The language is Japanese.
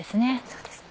そうですね。